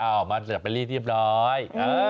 อ้าวมันจะไปรีบเรียบร้อย